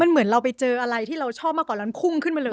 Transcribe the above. เหมือนเราไปเจออะไรที่เราชอบมากกว่าแล้วมันพุ่งขึ้นมาเลย